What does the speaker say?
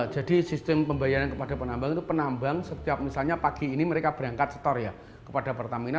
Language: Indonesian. jadi sistem pembayaran kepada penambang itu penambang setiap misalnya pagi ini mereka berangkat setor ya kepada pertamina